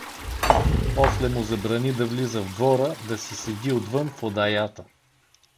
После му забрани да влиза в двора, да си седи отвън в одаята.